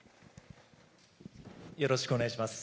よろしくお願いします。